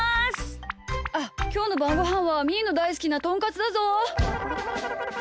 あっきょうのばんごはんはみーのだいすきなトンカツだぞ！